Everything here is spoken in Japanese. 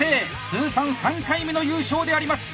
通算３回目の優勝であります。